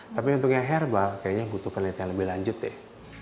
tapi untuk yang herbal kayaknya butuh penelitian lebih lanjut deh